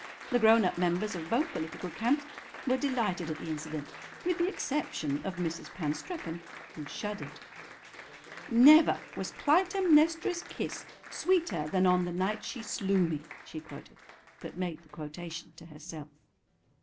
The grown up members of both political camps were delighted at the incident—with the exception of Mrs. Panstreppon, who shuddered. "Never was Clytemnestra's kiss sweeter than on the night she slew me," she quoted, but made the quotation to herself.